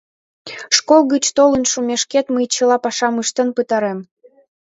— Школ гыч толын шумешкет мый чыла пашам ыштен пытарем.